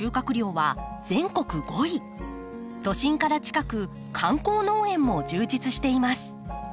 都心から近く観光農園も充実しています。